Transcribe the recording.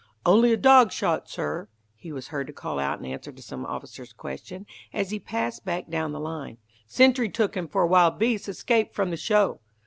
"Only a dog shot, sir," he was heard to call out in answer to some officer's question, as he passed back down the line. "Sentry took him for a wild beast escaped from the show."